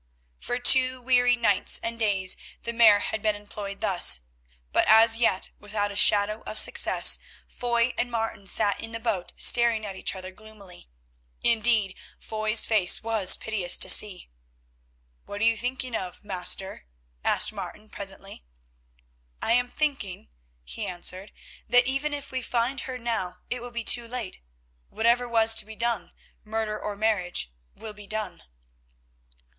For two weary nights and days the Mare had been employed thus, but as yet without a shadow of success. Foy and Martin sat in the boat staring at each other gloomily; indeed Foy's face was piteous to see. "What are you thinking of, master?" asked Martin presently. "I am thinking," he answered, "that even if we find her now it will be too late; whatever was to be done, murder or marriage, will be done."